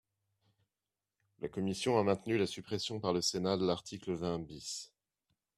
La commission a maintenu la suppression par le Sénat de l’article vingt bis.